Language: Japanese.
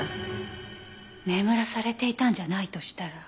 眠らされていたんじゃないとしたら。